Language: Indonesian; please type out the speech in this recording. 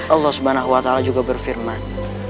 allah swt juga berfirman